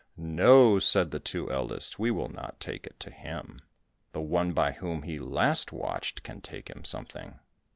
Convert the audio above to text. "No," said the two eldest, "We will not take it to him; the one by whom he last watched, can take him something."